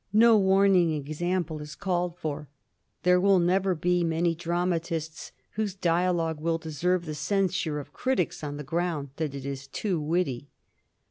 No warning example is called for. There will never be many dramatists whose dialogue will deserve the censure of critics on the ground that it is too witty.